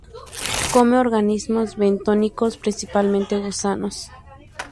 Come organismos bentónicos, principalmente gusanos.